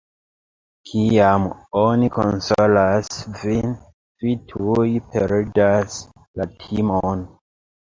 Kiam oni konsolas vin, vi tuj perdas la timon.